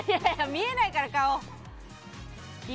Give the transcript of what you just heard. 見えないから、顔！